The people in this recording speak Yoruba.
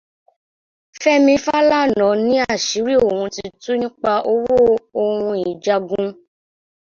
Fẹ́mi Fálànà ní àṣírí òun ti tú nípa owó ohun ìjagun